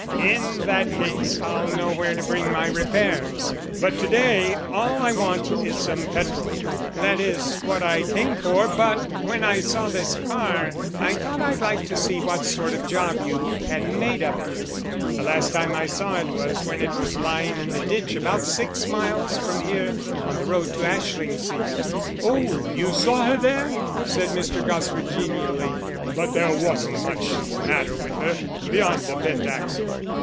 "In that case I'll know where to bring my repairs. But to day all I want is some petrol. That is what I came for, but when I saw this car I thought I'd like to see what sort of job you had made of it. The last time I saw it was when it was lying in the ditch about six miles from here on the road to Ashlingsea." "Oh, you saw her there?" said Mr. Gosford genially. "But there wasn't much the matter with her, beyond a bent axle."